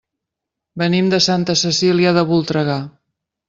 Venim de Santa Cecília de Voltregà.